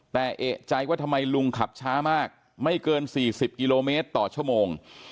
แต่เอกใจว่าทำไมลุงขับช้ามากไม่เกิน๔๐กิโลเมตรต่อชั่วโมง